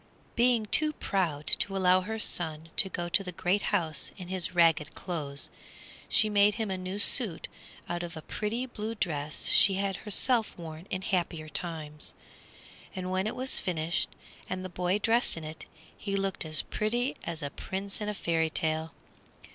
Being too proud to allow her son to go to the great house in his ragged clothes, she made him a new suit out of a pretty blue dress she had herself worn in happier times, and when it was finished and the boy dressed in it, he looked as pretty as a prince in a fairy tale.